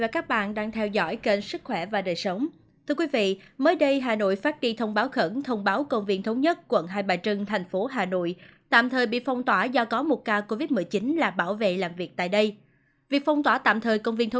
các bạn hãy đăng ký kênh để ủng hộ kênh của chúng mình nhé